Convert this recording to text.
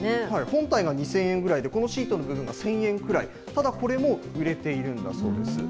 本体が２０００円ぐらいで、このシートの部分は１０００円ぐらい、ただこれも、売れているんだそうです。